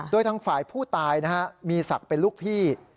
โดยทางฝ่ายผู้ตายมีศักดิ์เป็นลูกพี่